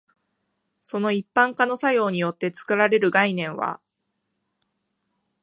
その一般化の作用によって作られる概念は、